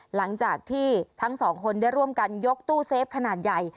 หลังจากที่ทั้งสองคนได้ร่วมกันยกตู้เซฟขนาดใหญ่